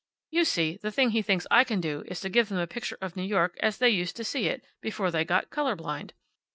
You see, the thing he thinks I can do is to give them a picture of New York as they used to see it, before they got color blind.